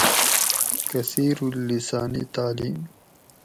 کثیرالسانی تعلیم